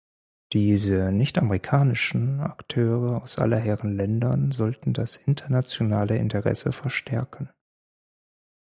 Diese nicht-amerikanischen Akteure aus aller Herren Ländern sollten das internationale Interesse verstärken.